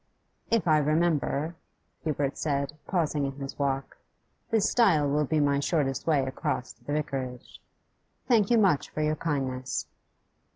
'If I remember,' Hubert said, pausing in his walk, 'this stile will be my shortest way across to the Vicarage. Thank you much for your kindness.